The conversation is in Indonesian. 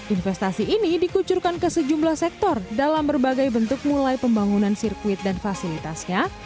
investasi ini dikucurkan ke sejumlah sektor dalam berbagai bentuk mulai pembangunan sirkuit dan fasilitasnya